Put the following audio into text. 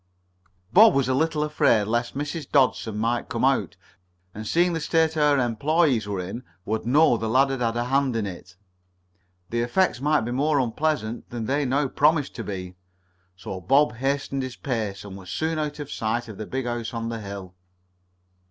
Bob was a little afraid lest Mrs. Dodson might come out, and seeing the state her employees were in, would know the lad had had a hand in it. The effects might be more unpleasant than they now promised to be. So Bob hastened his pace, and was soon out of sight of the big house on the hill.